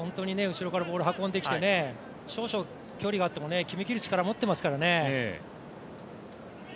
後ろからボール運んできて少々距離があっても決めきる力持っていますからね。